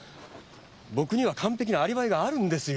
僕には完璧なアリバイがあるんですよ。